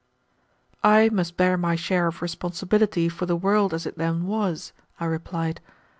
"I must bear my share of responsibility for the world as it then was," I replied.